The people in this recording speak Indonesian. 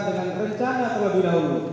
dengan rencana terlebih dahulu